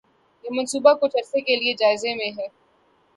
یہ منصوبہ کچھ عرصہ کے لیے جائزے میں ہے